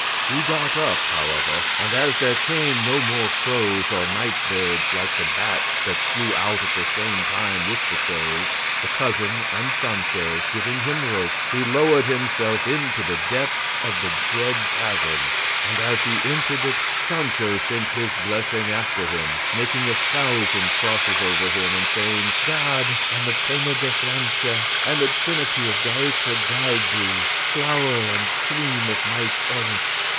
He got up, however, and as there came no more crows, or night birds like the bats that flew out at the same time with the crows, the cousin and Sancho giving him rope, he lowered himself into the depths of the dread cavern; and as he entered it Sancho sent his blessing after him, making a thousand crosses over him and saying, "God, and the Pena de Francia, and the Trinity of Gaeta guide thee, flower and cream of knights errant.